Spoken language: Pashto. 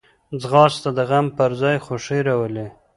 ځغاسته د غم پر ځای خوښي راولي